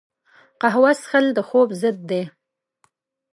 قهوه څښل د خوب ضد ده